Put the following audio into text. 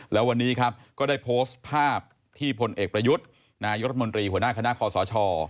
แล้ววันนี้ครับก็ได้โพสต์ภาพที่พลเอกประยุทธ์นายรัฐมนตรีหัวหน้าคณะคอสช